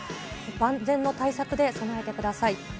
万全の対策で備えてください。